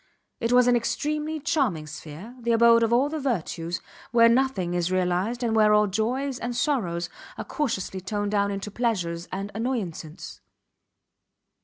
It was an extremely charming sphere, the abode of all the virtues, where nothing is realized and where all joys and sorrows are cautiously toned down into pleasures and annoyances.